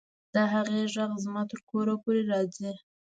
د هغې غږ زما تر کوره پورې راځي